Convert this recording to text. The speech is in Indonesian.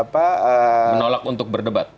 menolak untuk berdebat